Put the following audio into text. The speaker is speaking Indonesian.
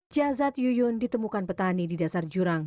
jasad yuyun ditemukan petani di dasar jurang